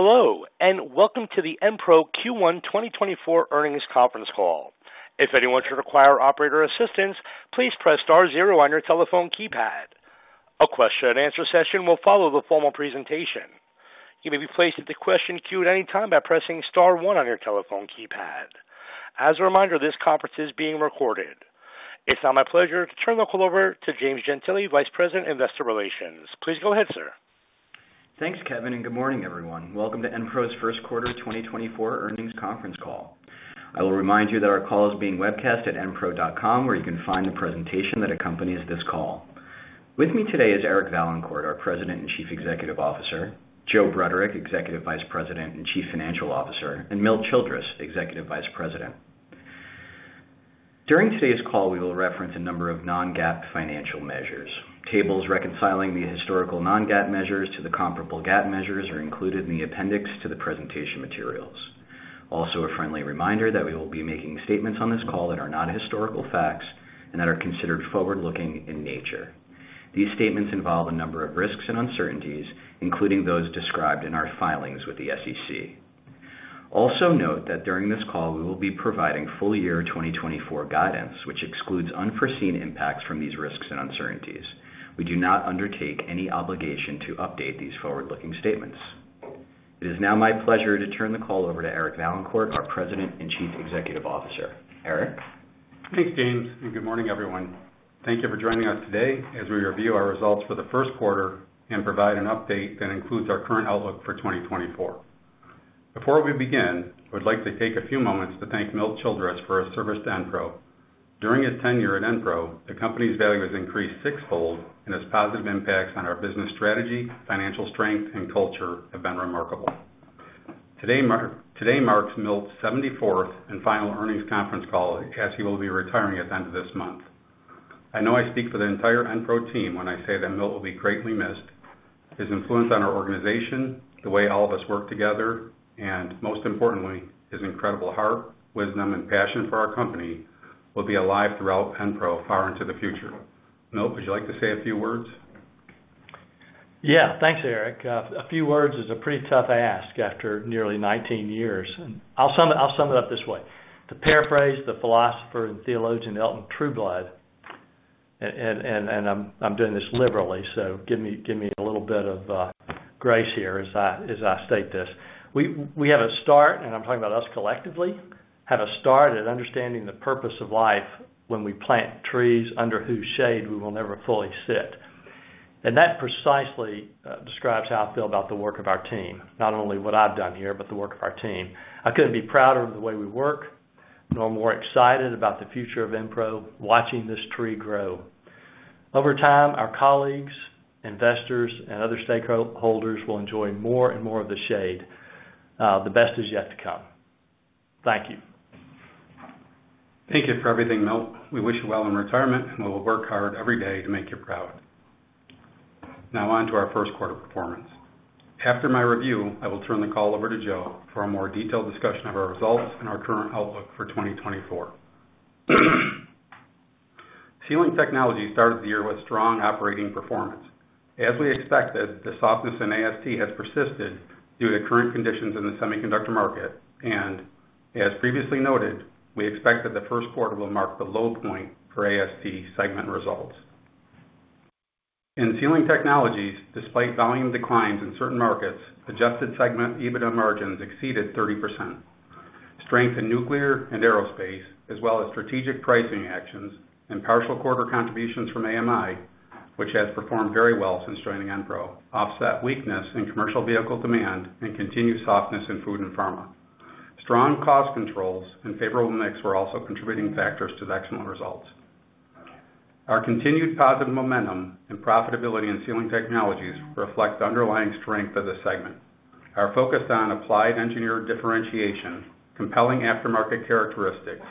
Hello, and welcome to the Enpro Q1 2024 Earnings Conference Call. If anyone should require operator assistance, please press star zero on your telephone keypad. A question-and-answer session will follow the formal presentation. You may be placed in the question queue at any time by pressing star one on your telephone keypad. As a reminder, this conference is being recorded. It's now my pleasure to turn the call over to James Gentile, Vice President, Investor Relations. Please go ahead, sir. Thanks, Kevin, and good morning, everyone. Welcome to Enpro's First Quarter 2024 Earnings Conference Call. I will remind you that our call is being webcast at enpro.com, where you can find the presentation that accompanies this call. With me today is Eric Vaillancourt, our President and Chief Executive Officer, Joe Bruderek, Executive Vice President and Chief Financial Officer, and Milt Childress, Executive Vice President. During today's call, we will reference a number of non-GAAP financial measures. Tables reconciling the historical non-GAAP measures to the comparable GAAP measures are included in the appendix to the presentation materials. Also, a friendly reminder that we will be making statements on this call that are not historical facts and that are considered forward-looking in nature. These statements involve a number of risks and uncertainties, including those described in our filings with the SEC. Also note that during this call, we will be providing full year 2024 guidance, which excludes unforeseen impacts from these risks and uncertainties. We do not undertake any obligation to update these forward-looking statements. It is now my pleasure to turn the call over to Eric Vaillancourt, our President and Chief Executive Officer. Eric? Thanks, James, and good morning, everyone. Thank you for joining us today as we review our results for the first quarter and provide an update that includes our current outlook for 2024. Before we begin, I would like to take a few moments to thank Milt Childress for his service to Enpro. During his tenure at Enpro, the company's value has increased sixfold, and his positive impacts on our business strategy, financial strength, and culture have been remarkable. Today marks Milt's 74th and final earnings conference call, as he will be retiring at the end of this month. I know I speak for the entire Enpro team when I say that Milt will be greatly missed. His influence on our organization, the way all of us work together, and most importantly, his incredible heart, wisdom, and passion for our company will be alive throughout Enpro far into the future. Milt, would you like to say a few words? Yeah. Thanks, Eric. A few words is a pretty tough ask after nearly 19 years. I'll sum it up this way: to paraphrase the philosopher and theologian, Elton Trueblood, and I'm doing this liberally, so give me a little bit of grace here as I state this. We had a start—and I'm talking about us collectively—at understanding the purpose of life when we plant trees under whose shade we will never fully sit. And that precisely describes how I feel about the work of our team, not only what I've done here, but the work of our team. I couldn't be prouder of the way we work, nor more excited about the future of Enpro, watching this tree grow. Over time, our colleagues, investors, and other stakeholders will enjoy more and more of the shade. The best is yet to come. Thank you. Thank you for everything, Milt. We wish you well in retirement, and we will work hard every day to make you proud. Now, on to our first quarter performance. After my review, I will turn the call over to Joe for a more detailed discussion of our results and our current outlook for 2024. Sealing Technologies started the year with strong operating performance. As we expected, the softness in AST has persisted due to current conditions in the semiconductor market, and as previously noted, we expect that the first quarter will mark the low point for AST segment results. In Sealing Technologies, despite volume declines in certain markets, adjusted segment EBITDA margins exceeded 30%. Strength in nuclear and aerospace, as well as strategic pricing actions and partial quarter contributions from AMI, which has performed very well since joining Enpro, offset weakness in commercial vehicle demand and continued softness in food and pharma. Strong cost controls and favorable mix were also contributing factors to the excellent results. Our continued positive momentum and profitability in Sealing Technologies reflect the underlying strength of the segment. Our focus on applied engineer differentiation, compelling aftermarket characteristics,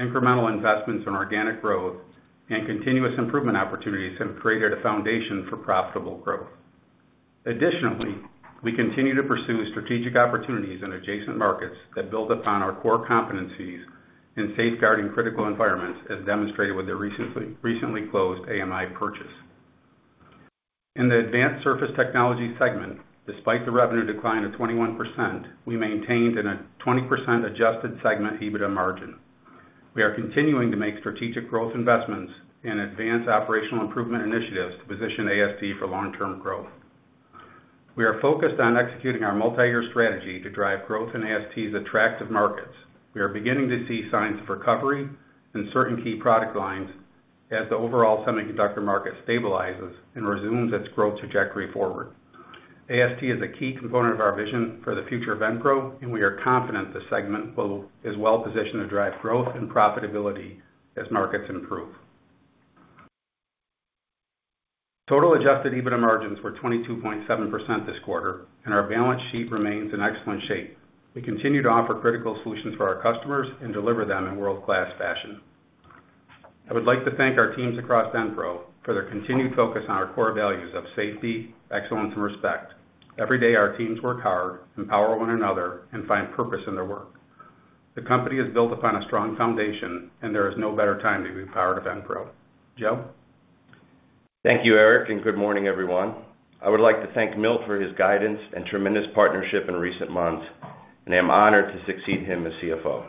incremental investments in organic growth, and continuous improvement opportunities have created a foundation for profitable growth. Additionally, we continue to pursue strategic opportunities in adjacent markets that build upon our core competencies in safeguarding critical environments, as demonstrated with the recently closed AMI purchase. In the Advanced Surface Technologies segment, despite the revenue decline of 21%, we maintained a 20% adjusted segment EBITDA margin. We are continuing to make strategic growth investments and advance operational improvement initiatives to position AST for long-term growth. We are focused on executing our multi-year strategy to drive growth in AST's attractive markets. We are beginning to see signs of recovery in certain key product lines as the overall semiconductor market stabilizes and resumes its growth trajectory forward. AST is a key component of our vision for the future of Enpro, and we are confident the segment is well positioned to drive growth and profitability as markets improve. Total adjusted EBITDA margins were 22.7% this quarter, and our balance sheet remains in excellent shape. We continue to offer critical solutions for our customers and deliver them in world-class fashion. I would like to thank our teams across Enpro for their continued focus on our core values of safety, excellence, and respect. Every day, our teams work hard, empower one another, and find purpose in their work. The company is built upon a strong foundation, and there is no better time to be part of Enpro. Joe? Thank you, Eric, and good morning, everyone. I would like to thank Milt for his guidance and tremendous partnership in recent months, and I am honored to succeed him as CFO.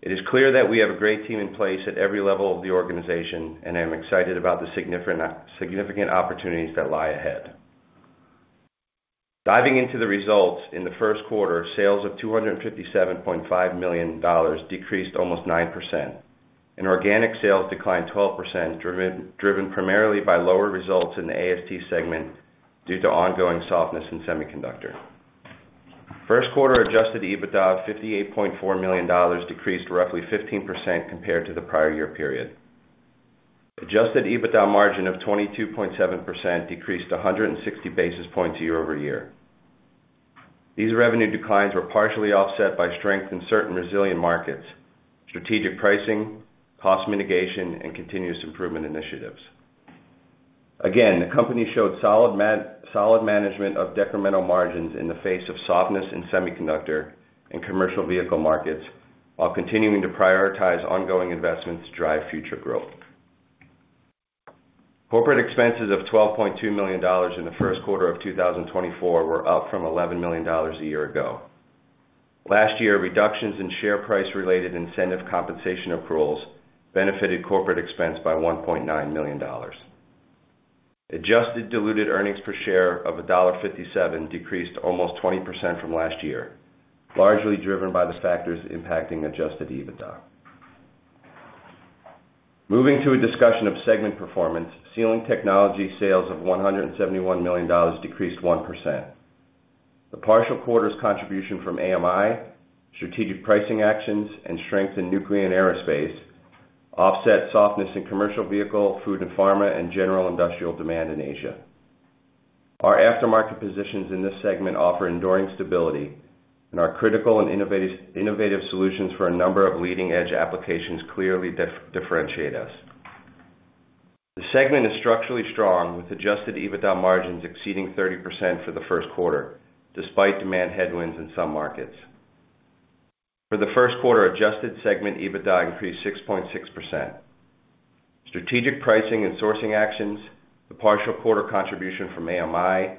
It is clear that we have a great team in place at every level of the organization, and I'm excited about the significant, significant opportunities that lie ahead. Diving into the results, in the first quarter, sales of $257.5 million decreased almost 9%, and organic sales declined 12%, driven, driven primarily by lower results in the AST segment due to ongoing softness in semiconductor. First quarter adjusted EBITDA of $58.4 million decreased roughly 15% compared to the prior year period. Adjusted EBITDA margin of 22.7% decreased 160 basis points year-over-year. These revenue declines were partially offset by strength in certain resilient markets, strategic pricing, cost mitigation, and continuous improvement initiatives. Again, the company showed solid management of decremental margins in the face of softness in semiconductor and commercial vehicle markets, while continuing to prioritize ongoing investments to drive future growth. Corporate expenses of $12.2 million in the first quarter of 2024 were up from $11 million a year ago. Last year, reductions in share price-related incentive compensation accruals benefited corporate expense by $1.9 million. Adjusted diluted earnings per share of $1.57 decreased almost 20% from last year, largely driven by the factors impacting adjusted EBITDA. Moving to a discussion of segment performance, Sealing Technologies sales of $171 million decreased 1%. The partial quarter's contribution from AMI, strategic pricing actions, and strength in nuclear and aerospace offset softness in commercial vehicle, food and pharma, and general industrial demand in Asia. Our aftermarket positions in this segment offer enduring stability, and our critical and innovative solutions for a number of leading-edge applications clearly differentiate us. The segment is structurally strong, with adjusted EBITDA margins exceeding 30% for the first quarter, despite demand headwinds in some markets. For the first quarter, adjusted segment EBITDA increased 6.6%. Strategic pricing and sourcing actions, the partial quarter contribution from AMI,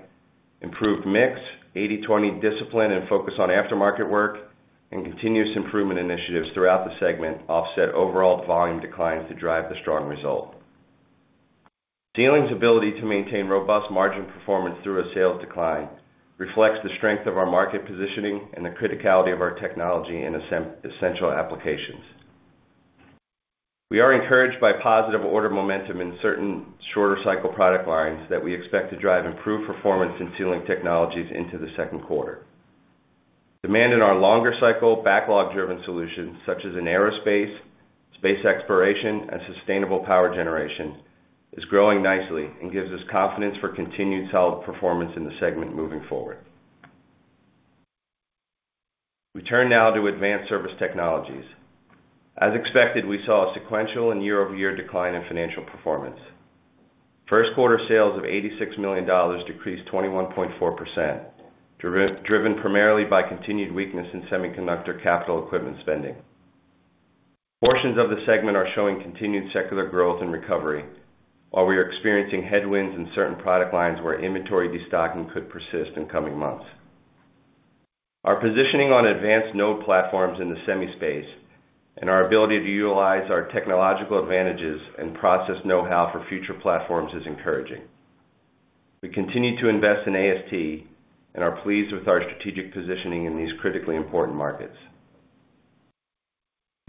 improved mix, 80/20 discipline and focus on aftermarket work, and continuous improvement initiatives throughout the segment offset overall volume declines to drive the strong result. Sealing's ability to maintain robust margin performance through a sales decline reflects the strength of our market positioning and the criticality of our technology in essential applications. We are encouraged by positive order momentum in certain shorter cycle product lines that we expect to drive improved performance in Sealing Technologies into the second quarter. Demand in our longer cycle, backlog-driven solutions, such as in aerospace, space exploration, and sustainable power generation, is growing nicely and gives us confidence for continued solid performance in the segment moving forward. We turn now to Advanced Surface Technologies. As expected, we saw a sequential and year-over-year decline in financial performance. First quarter sales of $86 million decreased 21.4%, driven primarily by continued weakness in semiconductor capital equipment spending. Portions of the segment are showing continued secular growth and recovery, while we are experiencing headwinds in certain product lines where inventory destocking could persist in coming months. Our positioning on advanced node platforms in the semi space and our ability to utilize our technological advantages and process know-how for future platforms is encouraging. We continue to invest in AST and are pleased with our strategic positioning in these critically important markets.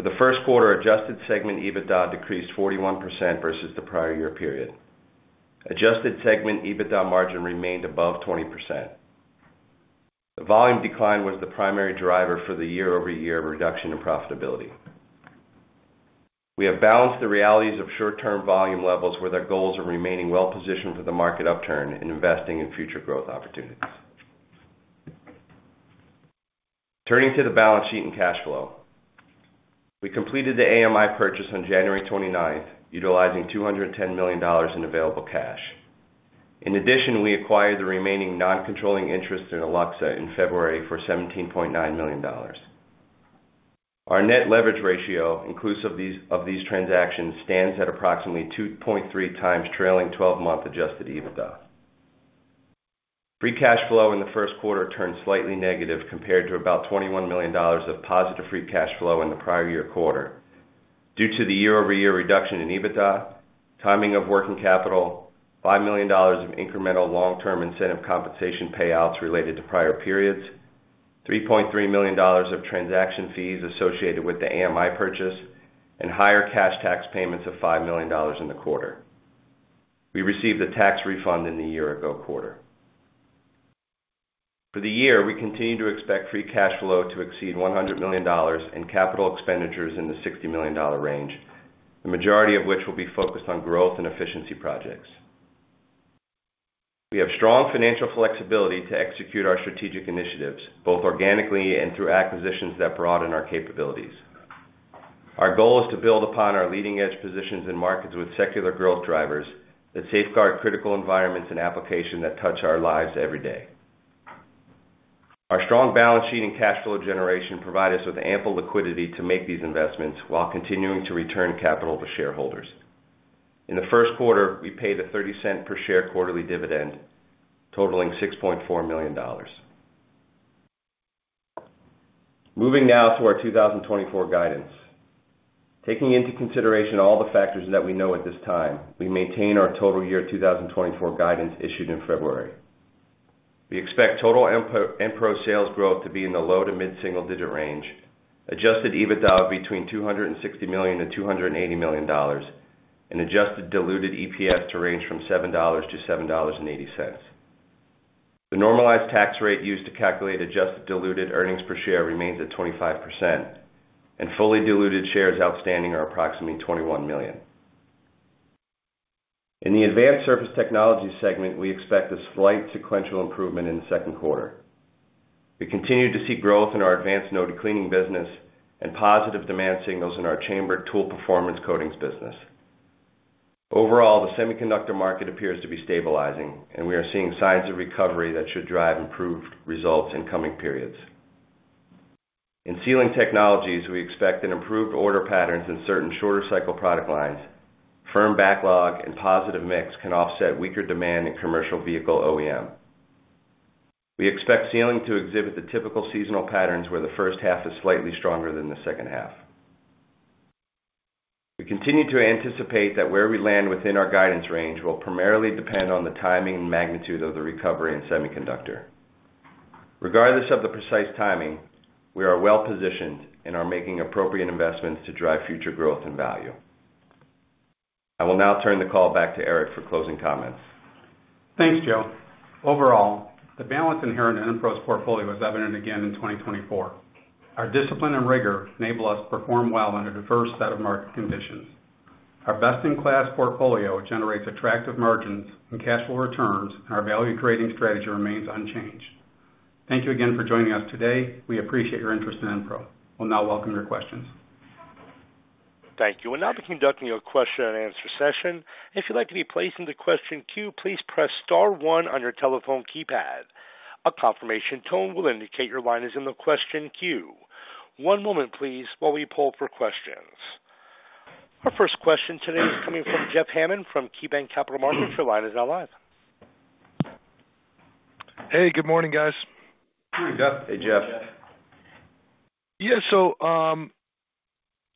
For the first quarter, adjusted segment EBITDA decreased 41% versus the prior year period. Adjusted segment EBITDA margin remained above 20%. The volume decline was the primary driver for the year-over-year reduction in profitability. We have balanced the realities of short-term volume levels, where their goals are remaining well-positioned for the market upturn and investing in future growth opportunities. Turning to the balance sheet and cash flow. We completed the AMI purchase on January 29th, utilizing $210 million in available cash. In addition, we acquired the remaining non-controlling interest in Alluxa in February for $17.9 million. Our net leverage ratio, inclusive of these transactions, stands at approximately 2.3x trailing 12-month adjusted EBITDA. Free cash flow in the first quarter turned slightly negative compared to about $21 million of positive free cash flow in the prior year quarter due to the year-over-year reduction in EBITDA, timing of working capital, $5 million of incremental long-term incentive compensation payouts related to prior periods, $3.3 million of transaction fees associated with the AMI purchase, and higher cash tax payments of $5 million in the quarter. We received a tax refund in the year-ago quarter. For the year, we continue to expect free cash flow to exceed $100 million and capital expenditures in the $60 million range, the majority of which will be focused on growth and efficiency projects. We have strong financial flexibility to execute our strategic initiatives, both organically and through acquisitions that broaden our capabilities. Our goal is to build upon our leading-edge positions in markets with secular growth drivers that safeguard critical environments and application that touch our lives every day. Our strong balance sheet and cash flow generation provide us with ample liquidity to make these investments while continuing to return capital to shareholders. In the first quarter, we paid a 30-cent per share quarterly dividend, totaling $6.4 million. Moving now to our 2024 guidance. Taking into consideration all the factors that we know at this time, we maintain our total year 2024 guidance issued in February. We expect total Enpro sales growth to be in the low to mid-single digit range, adjusted EBITDA between $260 million-$280 million, and adjusted diluted EPS to range from $7-$7.80. The normalized tax rate used to calculate adjusted diluted earnings per share remains at 25%, and fully diluted shares outstanding are approximately 21 million. In the Advanced Surface Technologies segment, we expect a slight sequential improvement in the second quarter. We continue to see growth in our advanced node cleaning business and positive demand signals in our chamber tool performance coatings business. Overall, the semiconductor market appears to be stabilizing, and we are seeing signs of recovery that should drive improved results in coming periods. In Sealing Technologies, we expect an improved order patterns in certain shorter cycle product lines. Firm backlog and positive mix can offset weaker demand in commercial vehicle OEM. We expect Sealing to exhibit the typical seasonal patterns, where the first half is slightly stronger than the second half. We continue to anticipate that where we land within our guidance range will primarily depend on the timing and magnitude of the recovery in semiconductor. Regardless of the precise timing, we are well positioned and are making appropriate investments to drive future growth and value. I will now turn the call back to Eric for closing comments. Thanks, Joe. Overall, the balance inherent in Enpro's portfolio is evident again in 2024. Our discipline and rigor enable us to perform well under the first set of market conditions. Our best-in-class portfolio generates attractive margins and cash flow returns, and our value-creating strategy remains unchanged. Thank you again for joining us today. We appreciate your interest in Enpro. We'll now welcome your questions. Thank you. We'll now be conducting your question and answer session. If you'd like to be placed in the question queue, please press star one on your telephone keypad. A confirmation tone will indicate your line is in the question queue. One moment, please, while we pull for questions. Our first question today is coming from Jeff Hammond from KeyBanc Capital Markets. Your line is now live. Hey, good morning, guys. Good morning, Jeff. Hey, Jeff. Yeah, so,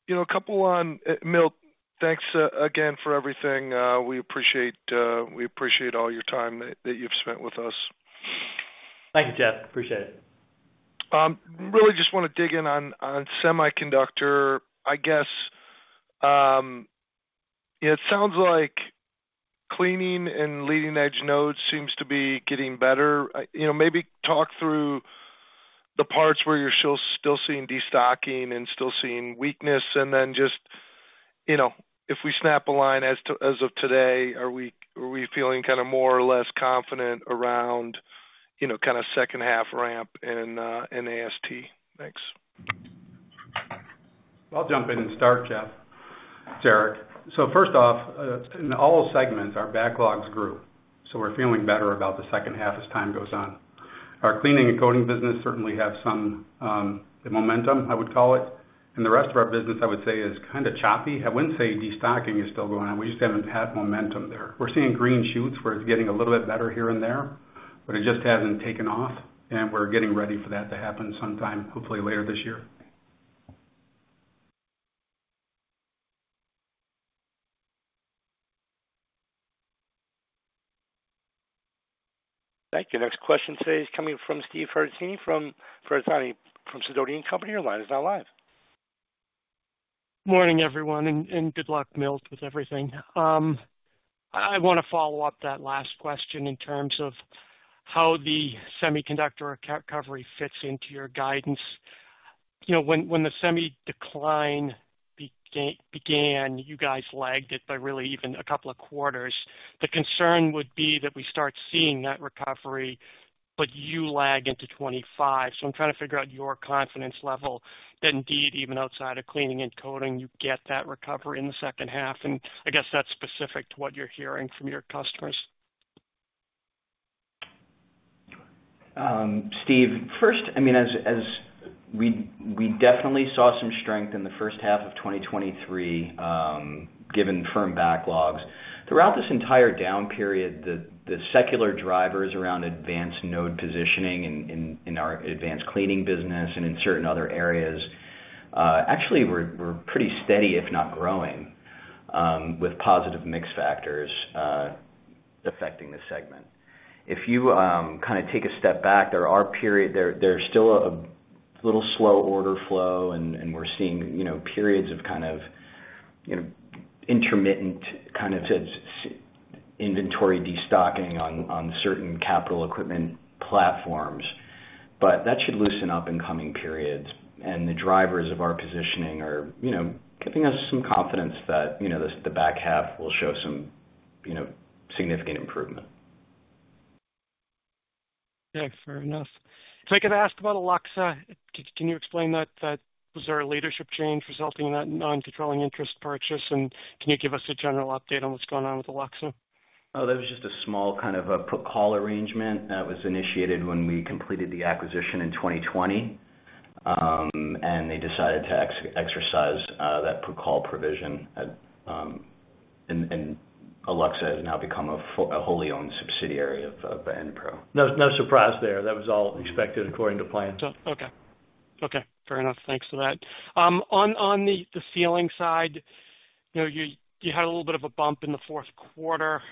you know, a couple on, Milt, thanks again for everything. We appreciate all your time that you've spent with us. Thank you, Jeff. Appreciate it. Really just want to dig in on, on semiconductor. I guess, it sounds like cleaning and leading-edge nodes seems to be getting better. You know, maybe talk through the parts where you're still, still seeing destocking and still seeing weakness, and then just, you know, if we snap a line as to-- as of today, are we, are we feeling kind of more or less confident around, you know, kind of second half ramp in, in AST? Thanks. I'll jump in and start, Jeff. It's Eric. First off, in all segments, our backlogs grew, so we're feeling better about the second half as time goes on. Our cleaning and coating business certainly have some momentum, I would call it, and the rest of our business, I would say, is kind of choppy. I wouldn't say destocking is still going on. We just haven't had momentum there. We're seeing green shoots where it's getting a little bit better here and there, but it just hasn't taken off, and we're getting ready for that to happen sometime, hopefully later this year. Thank you. Next question today is coming from Steve Ferazani from Sidoti & Company. Your line is now live. Morning, everyone, and good luck, Milt, with everything. I want to follow up that last question in terms of how the semiconductor recovery fits into your guidance. You know, when the semi decline began, you guys lagged it by really even a couple of quarters. The concern would be that we start seeing that recovery, but you lag into 2025. So I'm trying to figure out your confidence level, that indeed, even outside of cleaning and coating, you get that recovery in the second half, and I guess that's specific to what you're hearing from your customers. Steve, first, I mean, as we definitely saw some strength in the first half of 2023, given firm backlogs. Throughout this entire down period, the secular drivers around advanced node positioning in our advanced cleaning business and in certain other areas actually were pretty steady, if not growing, with positive mix factors affecting the segment. If you kind of take a step back, there's still a little slow order flow, and we're seeing, you know, periods of kind of, you know, intermittent kind of inventory destocking on certain capital equipment platforms. But that should loosen up in coming periods, and the drivers of our positioning are, you know, giving us some confidence that, you know, the back half will show some, you know, significant improvement. Yeah, fair enough. So I could ask about Alluxa. Can you explain that? Was there a leadership change resulting in that non-controlling interest purchase, and can you give us a general update on what's going on with Alluxa?... Oh, that was just a small kind of a put call arrangement that was initiated when we completed the acquisition in 2020, and they decided to exercise that put call provision at, and Alluxa has now become a wholly owned subsidiary of Enpro. No, no surprise there. That was all expected according to plan. So, okay. Okay, fair enough. Thanks for that. On the sealing side, you know, you had a little bit of a bump in the fourth quarter.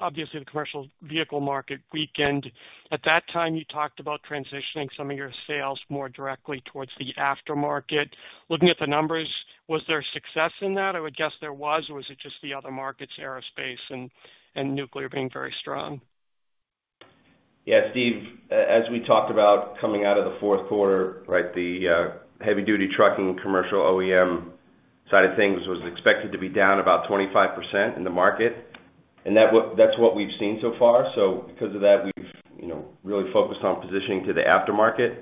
Obviously, the commercial vehicle market weakened. At that time, you talked about transitioning some of your sales more directly towards the aftermarket. Looking at the numbers, was there success in that? I would guess there was, or was it just the other markets, aerospace and nuclear being very strong? Yeah, Steve, as we talked about coming out of the fourth quarter, right? The heavy duty trucking commercial OEM side of things was expected to be down about 25% in the market, and that's what we've seen so far. So because of that, we've, you know, really focused on positioning to the aftermarket.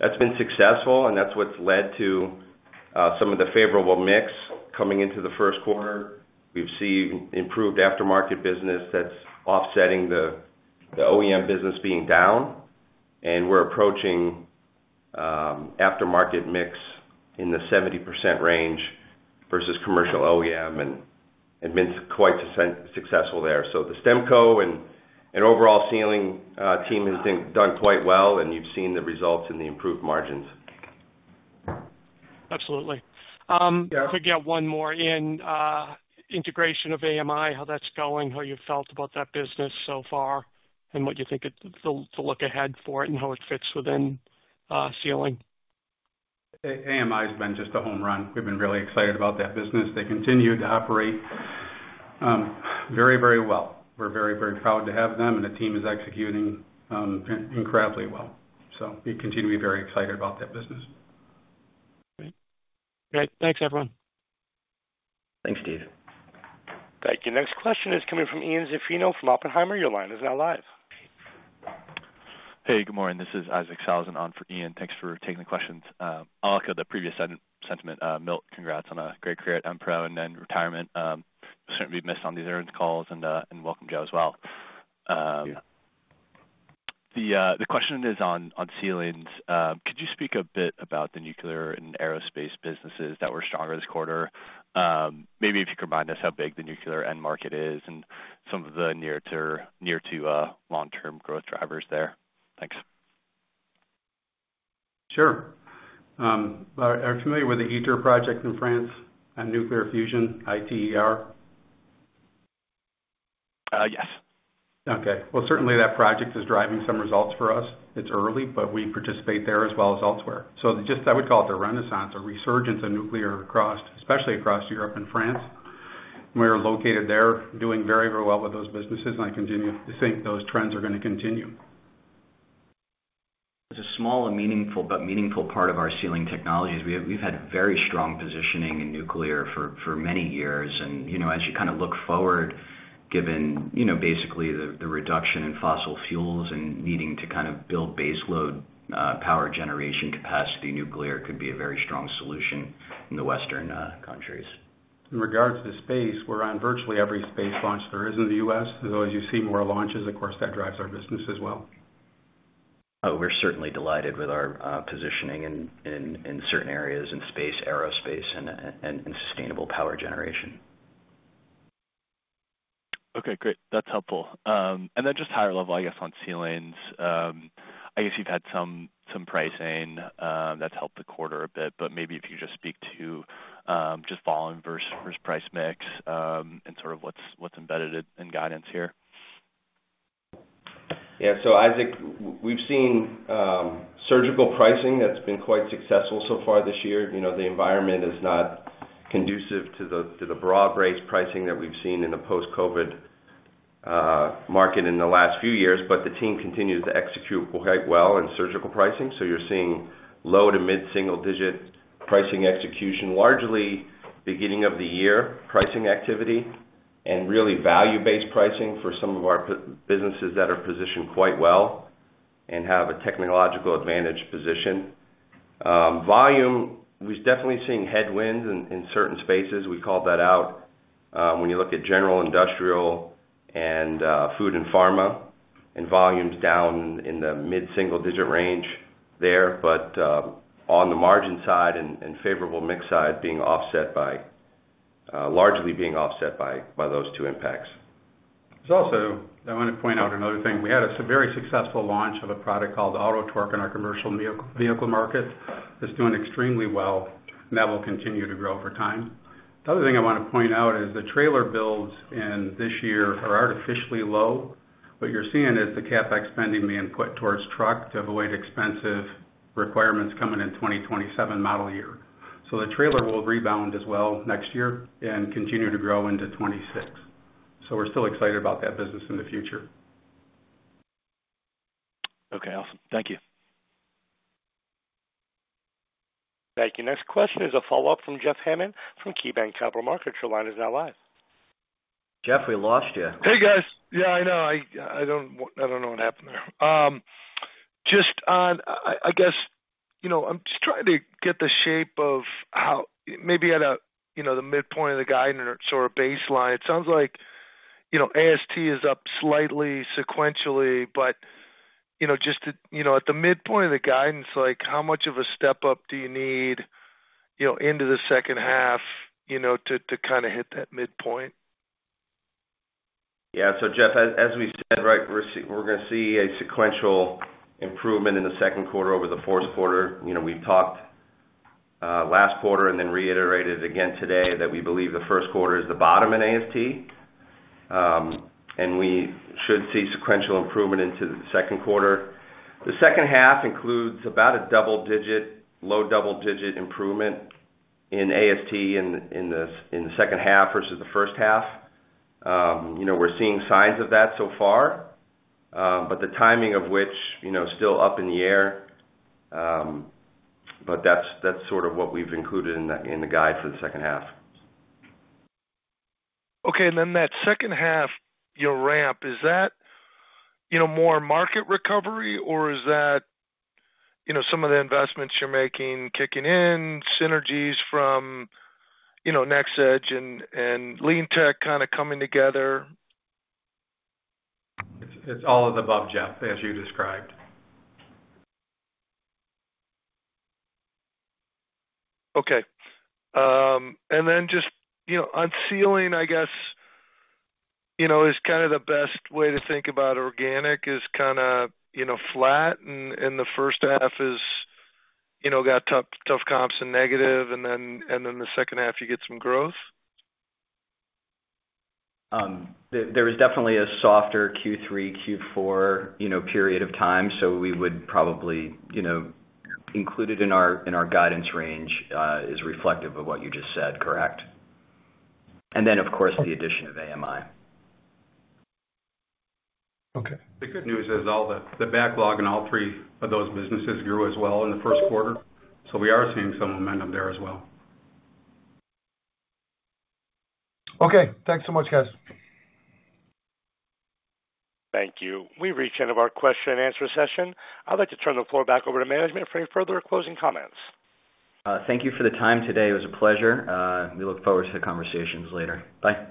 That's been successful, and that's what's led to some of the favorable mix coming into the first quarter. We've seen improved aftermarket business that's offsetting the OEM business being down, and we're approaching aftermarket mix in the 70% range versus commercial OEM, and it's been quite successful there. So the STEMCO and overall Sealing team has done quite well, and you've seen the results in the improved margins. Absolutely. Um- Yeah. Could get one more in, integration of AMI, how that's going, how you felt about that business so far, and what you think it to look ahead for it and how it fits within, Sealing? AMI has been just a home run. We've been really excited about that business. They continue to operate very, very well. We're very, very proud to have them, and the team is executing incredibly well. So we continue to be very excited about that business. Great. Thanks, everyone. Thanks, Steve. Thank you. Next question is coming from Ian Zaffino from Oppenheimer. Your line is now live. Hey, good morning. This is Isaac Sellhausen on for Ian. Thanks for taking the questions. Like the previous sentiment, Milt, congrats on a great career at Enpro and then retirement. Certainly be missed on these earnings calls, and welcome, Joe, as well. Yeah. The question is on Sealing. Could you speak a bit about the nuclear and aerospace businesses that were stronger this quarter? Maybe if you could remind us how big the nuclear end market is and some of the near- to long-term growth drivers there. Thanks. Sure. Are you familiar with the ITER project in France on nuclear fusion, I-T-E-R? Uh, yes. Okay. Well, certainly that project is driving some results for us. It's early, but we participate there as well as elsewhere. So just I would call it a renaissance, a resurgence in nuclear across- especially across Europe and France. We are located there, doing very, very well with those businesses, and I continue to think those trends are gonna continue. It's a small and meaningful, but meaningful part of our Sealing Technologies. We've had very strong positioning in nuclear for many years. And, you know, as you kind of look forward, given, you know, basically the reduction in fossil fuels and needing to kind of build baseload power generation capacity, nuclear could be a very strong solution in the Western countries. In regards to space, we're on virtually every space launch there is in the U.S. As you see more launches, of course, that drives our business as well. We're certainly delighted with our positioning in certain areas in space, aerospace, and sustainable power generation. Okay, great. That's helpful. And then just higher level, I guess, on sealing. I guess you've had some pricing that's helped the quarter a bit, but maybe if you just speak to just volume versus price mix, and sort of what's embedded in guidance here. Yeah. So Isaac, we've seen surgical pricing that's been quite successful so far this year. You know, the environment is not conducive to the, to the broad-based pricing that we've seen in the post-COVID market in the last few years, but the team continues to execute quite well in surgical pricing. So you're seeing low to mid-single digit pricing execution, largely beginning of the year pricing activity and really value-based pricing for some of our businesses that are positioned quite well and have a technological advantage position. Volume, we've definitely seen headwinds in, in certain spaces. We called that out, when you look at general, industrial and, food and pharma, and volume's down in the mid-single digit range there, but, on the margin side and, and favorable mix side, being offset by, largely being offset by, by those two impacts. There's also... I want to point out another thing. We had a very successful launch of a product called Auto-Torque in our commercial vehicle market. It's doing extremely well, and that will continue to grow over time. The other thing I want to point out is the trailer builds in this year are artificially low. What you're seeing is the CapEx spending being put towards truck to avoid expensive requirements coming in 2027 model year. So the trailer will rebound as well next year and continue to grow into 2026. So we're still excited about that business in the future. Okay, awesome. Thank you. Thank you. Next question is a follow-up from Jeff Hammond from KeyBanc Capital Markets. Your line is now live. Jeff, we lost you. Hey, guys. Yeah, I know. I don't know what happened there. Just on, I guess, you know, I'm just trying to get the shape of how maybe at a, you know, the midpoint of the guidance or baseline. It sounds like, you know, AST is up slightly sequentially, but, you know, just to, you know, at the midpoint of the guidance, like, how much of a step up do you need, you know, into the second half, you know, to kind of hit that midpoint? Yeah. So, Jeff, as we've said, right, we're gonna see a sequential improvement in the second quarter over the fourth quarter. You know, we've talked last quarter and then reiterated again today that we believe the first quarter is the bottom in AST. And we should see sequential improvement into the second quarter. The second half includes about a double digit, low double digit improvement in AST in the second half versus the first half. You know, we're seeing signs of that so far, but the timing of which, you know, still up in the air. But that's sort of what we've included in the guide for the second half. Okay, and then that second half, your ramp, is that, you know, more market recovery, or is that, you know, some of the investments you're making kicking in, synergies from, you know, NxEdge and, and LeanTeq kind of coming together? It's all of the above, Jeff, as you described. Okay. And then just, you know, on Sealing, I guess, you know, is kind of the best way to think about organic is kind of, you know, flat, and, and the first half is, you know, got tough, tough comps and negative, and then, and then the second half you get some growth? There is definitely a softer Q3, Q4, you know, period of time, so we would probably, you know, included in our, in our guidance range, is reflective of what you just said, correct? And then, of course, the addition of AMI. Okay. The good news is all the backlog in all three of those businesses grew as well in the first quarter, so we are seeing some momentum there as well. Okay. Thanks so much, guys. Thank you. We've reached the end of our question and answer session. I'd like to turn the floor back over to management for any further closing comments. Thank you for the time today. It was a pleasure. We look forward to the conversations later. Bye.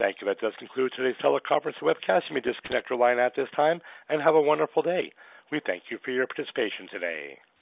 Thank you. That does conclude today's teleconference webcast. You may disconnect your line at this time, and have a wonderful day. We thank you for your participation today.